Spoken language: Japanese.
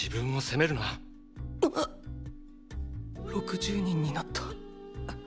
６０人になった。